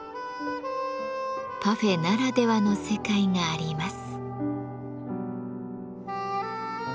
パフェならではの世界があります。